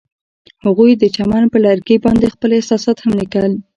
هغوی د چمن پر لرګي باندې خپل احساسات هم لیکل.